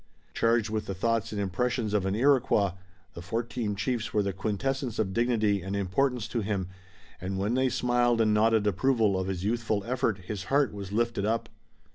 Charged with the thoughts and impressions of an Iroquois, the fourteen chiefs were the quintessence of dignity and importance to him, and when they smiled and nodded approval of his youthful effort his heart was lifted up.